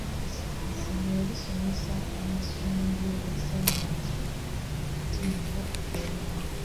Essomero lisomesa amasomo g'ebya ssayansi ate n'ago ag'ebyemikono